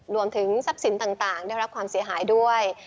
รวมถึงทรัพย์สินต่างได้รับความเสียหายด้วย